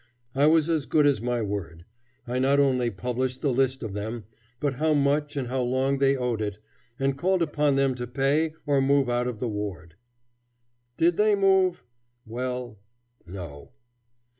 I was as good as my word. I not only published the list of them, but how much and how long they owed it, and called upon them to pay or move out of the ward. Did they move? Well, no!